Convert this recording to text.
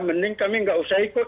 mending kami nggak usah ikut